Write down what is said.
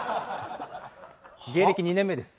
芸歴２年目です。